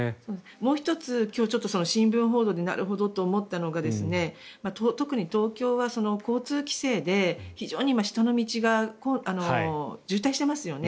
もう１つ新聞の報道でなるほどと思ったのが特に東京は交通規制で非常に今、下の道が渋滞していますよね。